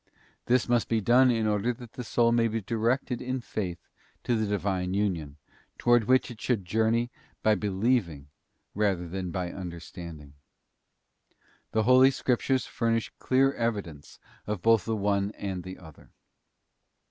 This must be done in order that the soul may be directed in Faith to the Divine union, towards which it should journey by be lieving rather than by understanding. The Holy Scriptures furnish clear evidence of both the one and the other.